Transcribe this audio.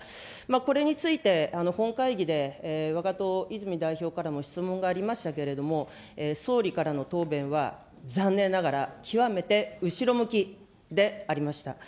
これについて、本会議でわが党、泉代表からも質問がありましたけれども、総理からの答弁は残念ながら、極めて後ろ向きでありました。